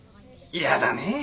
嫌だねえ。